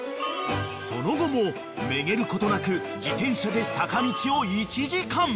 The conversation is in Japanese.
［その後もめげることなく自転車で坂道を１時間］